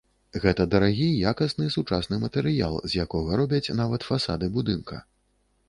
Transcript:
Гэта дарагі і якасны сучасны матэрыял, з якога робяць нават фасады будынка.